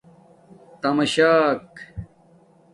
تمشاک